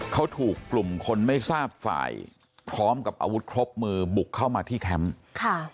เขาถูกกลุ่มคนไม่ทราบฝ่ายพร้อมกับอาวุธครบมือบุกเข้ามาที่แคมป์ค่ะ